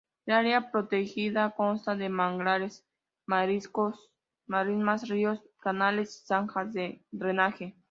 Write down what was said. El área protegida consta de manglares, marismas, ríos, canales y zanjas de drenaje.